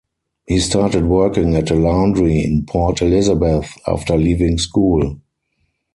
He started working at a laundry in Port Elizabeth after leaving school.